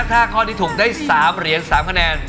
ถ้าข้อที่ถูกได้๓เหรียญ๓คะแนน